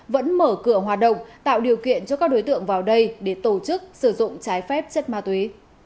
vẫn mở cửa hoạt động tạo điều kiện cho các đối tượng vào đây để tổ chức sử dụng trái phép chất ma túy